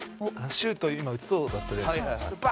シュート今打ちそうだったじゃないですか。